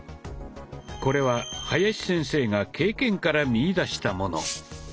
これは林先生が経験から見いだしたもの。